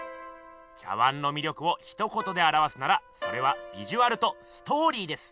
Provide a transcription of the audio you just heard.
茶碗のみ力をひと言であらわすならそれは「ビジュアル」と「ストーリー」です。